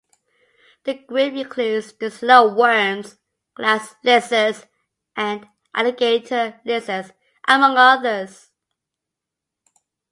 The group includes the slowworms, glass lizards, and alligator lizards, among others.